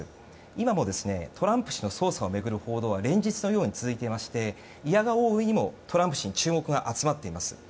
今も、トランプ氏の捜査を巡る報道は連日のように続いておりましていやが応にもトランプ氏に注目が集まっています。